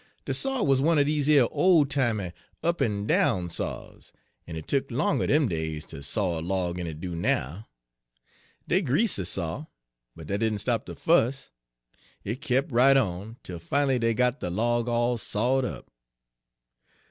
De saw wuz one er dese yer ole timey, up en down saws, en hit tuk longer dem days ter saw a log 'en it do now. Dey greased de saw, but dat didn' stop de fuss; hit kep' right on, tel fin'ly dey got de log all sawed up.